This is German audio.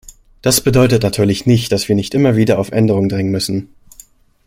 Das bedeutet natürlich nicht, dass wir nicht immer wieder auf Änderungen drängen müssen.